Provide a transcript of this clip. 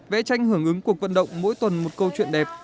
vẽ tranh hưởng ứng cuộc vận động mỗi tuần một câu chuyện đẹp